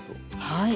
はい。